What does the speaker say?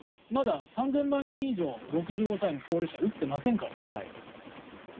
まだ３０００万人以上６５歳以上の高齢者打っていませんからね。